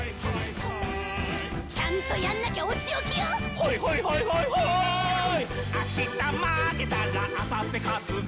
「ほいほいほいほいほーい」「あした負けたら、あさって勝つぞ！」